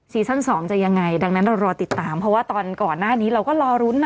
ซั่น๒จะยังไงดังนั้นเรารอติดตามเพราะว่าตอนก่อนหน้านี้เราก็รอรุ้นนะ